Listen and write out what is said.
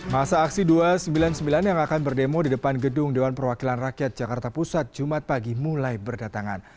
masa aksi dua ratus sembilan puluh sembilan yang akan berdemo di depan gedung dewan perwakilan rakyat jakarta pusat jumat pagi mulai berdatangan